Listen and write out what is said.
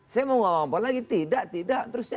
saya mau ngomong apa lagi tidak tidak terus saya